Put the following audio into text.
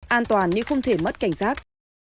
an toàn nhưng không thể mất cảnh sát